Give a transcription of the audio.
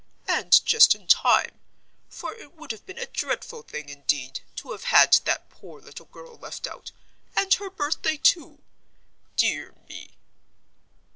"And just in time, for it would have been a dreadful thing, indeed, to have had that poor little girl left out, and her birthday too! Dear me!"